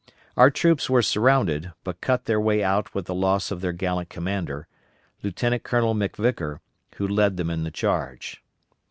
Our troops were surrounded, but cut their way out with the loss of their gallant commander, Lieutenant Colonel McVicar, who led them in the charge.